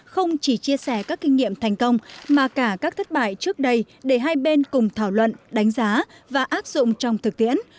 không chỉ chia sẻ các kinh nghiệm thành công mà cả các thất bại trước đây để hai bên cùng thảo luận đánh giá và áp dụng trong thực tiễn